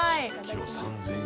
キロ３，０００円。